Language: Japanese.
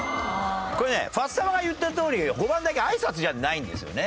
これねファッサマが言ったとおり５番だけ挨拶じゃないんですよね。